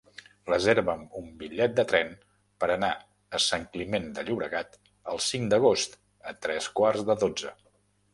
Reserva'm un bitllet de tren per anar a Sant Climent de Llobregat el cinc d'agost a tres quarts de dotze.